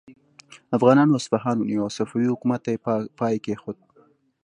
افغانانو اصفهان ونیو او صفوي حکومت ته یې پای کیښود.